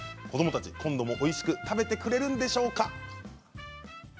子どもたち今度もおいしく食べてくれるんでしょうか。